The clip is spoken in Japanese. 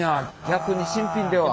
逆に新品では。